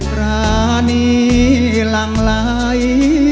คลานี่ลังไหล